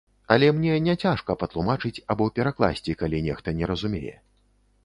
Але мне не цяжка патлумачыць або перакласці, калі нехта не разумее.